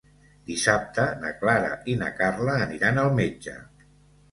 Dissabte na Clara i na Carla aniran al metge.